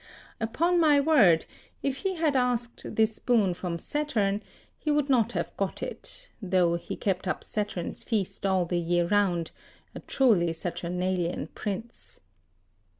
Upon my word, if he had asked this boon from Saturn, he would not have got it, though he kept up Saturn's feast all the year round, a truly Saturnalian prince.